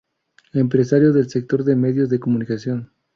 Empresario del sector de medios de comunicación.